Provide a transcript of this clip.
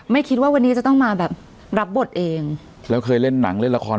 ไม่คิดว่าวันนี้จะต้องมาแบบรับบทเองแล้วเคยเล่นหนังเล่นละคร